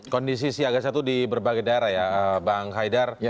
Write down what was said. kondisi siaga satu di berbagai daerah ya bang haidar